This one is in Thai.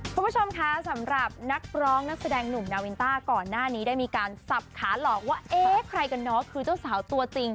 คุณผู้ชมคะสำหรับนักร้องนักแสดงหนุ่มนาวินต้าก่อนหน้านี้ได้มีการสับขาหลอกว่าเอ๊ะใครกันเนาะคือเจ้าสาวตัวจริง